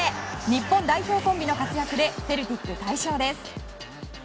日本代表コンビの活躍でセルティック、大勝です。